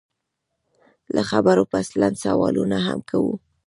له خبرو پس لنډ سوالونه هم کوو